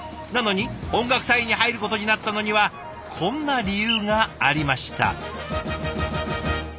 なのに音楽隊に入ることになったのにはこんな理由がありました。